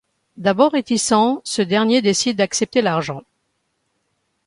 D'abord réticent, ce dernier décide d'accepter l'argent.